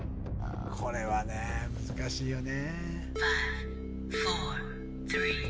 これはね難しいよね